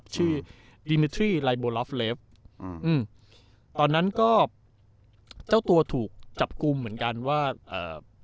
ชื่อดิมิทรี่ไลโบลอฟเลฟอืมอืมตอนนั้นก็เจ้าตัวถูกจับกลุ่มเหมือนกันว่าเอ่อ